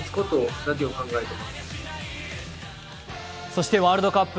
そしてワールドカップ